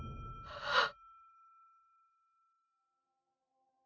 あっ。